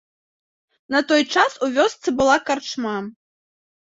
На той час у вёсцы была карчма.